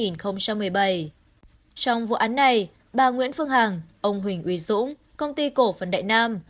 trong vụ án này bà nguyễn phương hằng ông huỳnh uy dũng công ty cổ phần đại nam